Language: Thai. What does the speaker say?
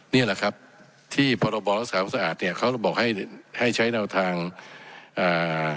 นี่แหละครับที่พรบรักษาความสะอาดเนี้ยเขาบอกให้ให้ใช้แนวทางอ่า